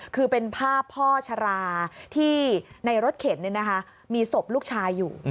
คือเป็นภาพพ่อชราที่ในรถเข็นมีศพลูกชายอยู่